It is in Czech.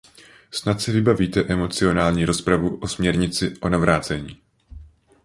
Snad si vybavíte emocionální rozpravu o směrnici o navracení.